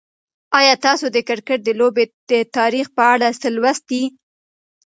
آیا تاسو د کرکټ د لوبې د تاریخ په اړه څه لوستي؟